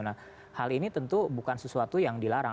nah hal ini tentu bukan sesuatu yang dilarang